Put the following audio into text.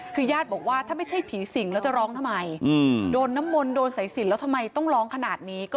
คือญาติบอกว่าถ้าไม่ใช่ผีสิงแล้วจะร้องทำไมโดนน้ำมนต์โดนสายสินแล้วทำไมต้องร้องขนาดนี้